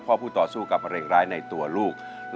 พ่อผู้ต่อสู้กับแรงร้ายในตัวลูก